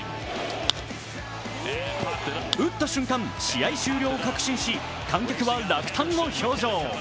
打った瞬間、試合終了を確信し、観客は落胆の表情。